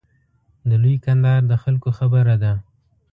د لوی کندهار د خلکو خبره ده.